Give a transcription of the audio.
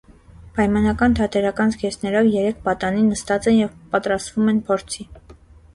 Պայմանական թատերական զգեստներով երեք պատանի նստած են և պատրաստվում են փորձի։